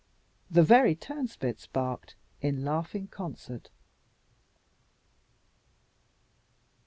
The very turnspits barked in laughing concert.